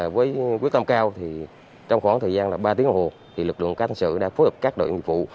với quyết tâm cao trong khoảng thời gian ba tiếng hồi lực lượng các tân sự đã phối hợp các đội ủng vụ